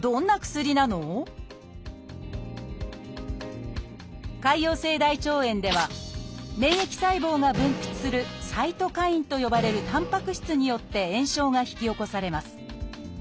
潰瘍性大腸炎では免疫細胞が分泌する「サイトカイン」と呼ばれるたんぱく質によって炎症が引き起こされます。